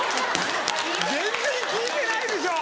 全然聞いてないでしょ！